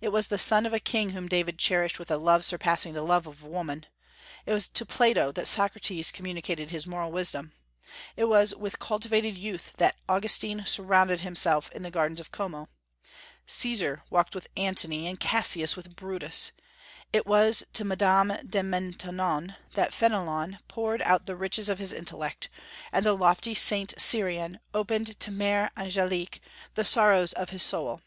It was the son of a king whom David cherished with a love surpassing the love of woman. It was to Plato that Socrates communicated his moral wisdom; it was with cultivated youth that Augustine surrounded himself in the gardens of Como; Caesar walked with Antony, and Cassius with Brutus; it was to Madame de Maintenon that Fénelon poured out the riches of his intellect, and the lofty Saint Cyran opened to Mère Angelique the sorrows of his soul.